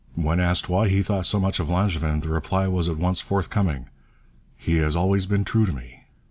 When asked why he thought so much of Langevin, the reply was at once forthcoming: 'He has always been true to me.'